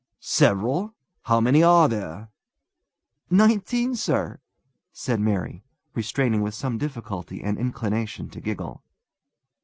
Several? How many are there?" "Nineteen, sir," said Mary, restraining with some difficulty an inclination to giggle.